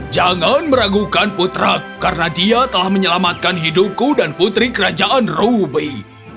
jangan meragukan putra karena dia telah menyelamatkan hidupku dan putri kerajaan ruby